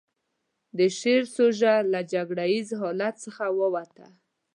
د شعر سوژه له جګړه ييز حالت څخه ووته.